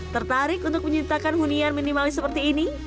tertarik untuk menciptakan hunian minimalis seperti ini